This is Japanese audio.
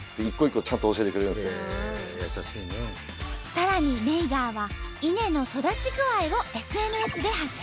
さらにネイガーは稲の育ち具合をＳＮＳで発信。